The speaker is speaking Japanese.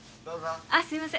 あっすいません